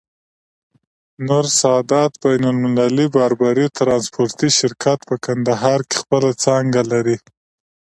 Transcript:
نور سادات بين المللی باربری ترانسپورټي شرکت، په کندهار کي خپله څانګه لری.